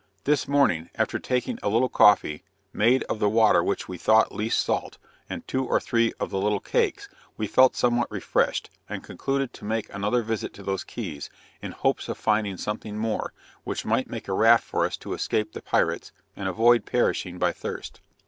This morning, after taking a little coffee, made of the water which we thought least salt, and two or three of the little cakes, we felt somewhat refreshed, and concluded to make another visit to those Keys, in hopes of finding something more, which might make a raft for us to escape the pirates, and avoid perishing by thirst.